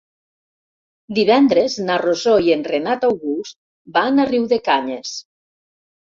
Divendres na Rosó i en Renat August van a Riudecanyes.